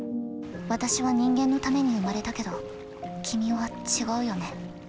私は人間のために生まれたけど君は違うよね。